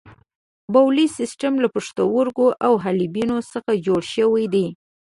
بولي سیستم له پښتورګو او حالبینو څخه جوړ شوی دی.